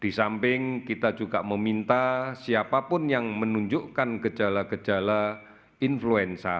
di samping kita juga meminta siapapun yang menunjukkan gejala gejala influenza